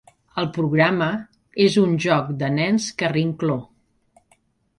El programa és un joc de nens carrincló.